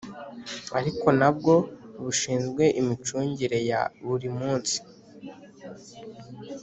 Ari nabwo bushinzwe imicungire ya buri munsi